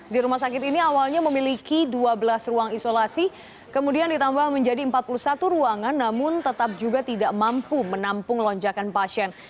di rumah sakit ini awalnya memiliki dua belas ruang isolasi kemudian ditambah menjadi empat puluh satu ruangan namun tetap juga tidak mampu menampung lonjakan pasien